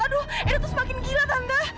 aduh edo tuh semakin gila tante